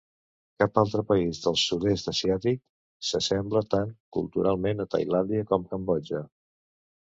Cap altre país del sud-est asiàtic s'assembla tant culturalment a Tailàndia com Cambodja.